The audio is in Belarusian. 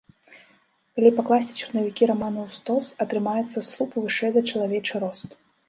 Калі пакласці чарнавікі рамана ў стос, атрымаецца слуп вышэй за чалавечы рост.